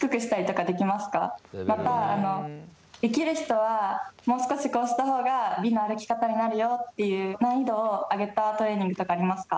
またできる人はもう少しこうした方が美の歩き方になるよっていう難易度を上げたトレーニングとかありますか？